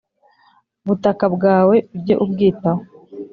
Butaka bwawe ujye ubwitaho